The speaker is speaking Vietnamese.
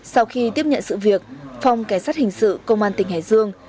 sau khi tiếp nhận sự việc phòng cảnh sát hình sự công an tỉnh hải dương